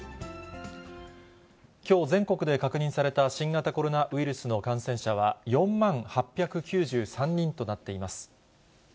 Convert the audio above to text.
きょう、全国で確認された新型コロナウイルスの感染者は、４万８９３人となっています。